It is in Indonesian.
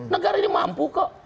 negara ini mampu kok